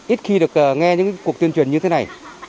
ít khi được nghe những cuộc tuyên truyền như thế này